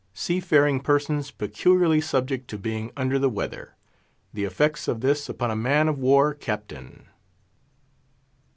SEAFARING PERSONS PECULIARLY SUBJECT TO BEING UNDER THE WEATHER.—THE EFFECTS OF THIS UPON A MAN OF WAR CAPTAIN.